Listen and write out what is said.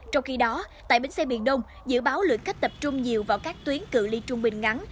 trong khi đó tại bến xe miền đông dự báo lượng khách tập trung nhiều vào các tuyến cự li trung bình ngắn